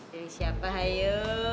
pilih siapa hayu